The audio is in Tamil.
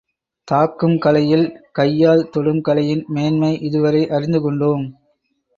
தாக்கும் கலையில் கையால் தொடும் கலையின் மேன்மை இதுவரை அறிந்து கொண்டோம்.